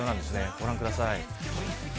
ご覧ください。